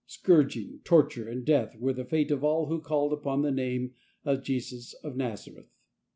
Scourging, torture, and death were the fate of all who called upon the name of J^us of Nazareth.